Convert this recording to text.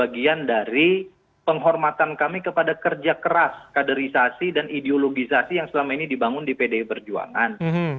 bagian dari penghormatan kami kepada kerja keras kaderisasi dan ideologisasi yang selama ini dibangun di pdi perjuangan